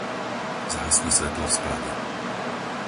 Zhasni svetlo v sklade.